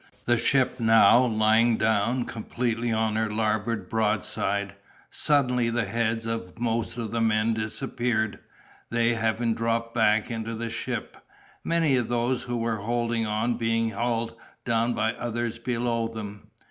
The ship now lying down completely on her larboard broadside, suddenly the heads of most of the men disappeared, they having dropped back into the ship, many of those who were holding on being hauled down by others below them.